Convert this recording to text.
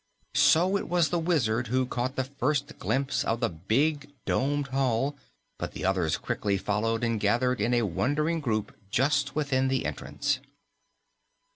So it was the Wizard who caught the first glimpse of the big, domed hall, but the others quickly followed and gathered in a wondering group just within the entrance.